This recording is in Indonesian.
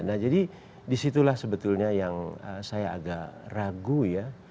nah jadi disitulah sebetulnya yang saya agak ragu ya